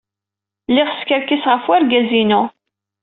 Lliɣ skerkiseɣ ɣef wergaz-inu.